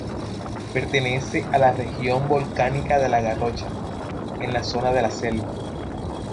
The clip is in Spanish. Pertenece a la Región volcánica de La Garrocha, en la zona de La Selva.